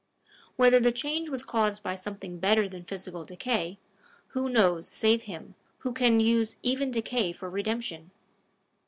Whether the change was caused by something better than physical decay, who knows save him who can use even decay for redemption?